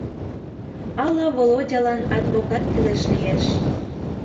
Ала Володялан адвокат кӱлеш лиеш.